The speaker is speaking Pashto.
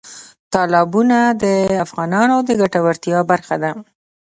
تالابونه د افغانانو د ګټورتیا برخه ده.